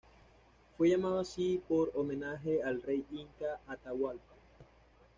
Fue llamado así por homenaje al rey inca Atahualpa.